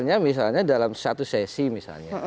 misalnya dalam satu sesi misalnya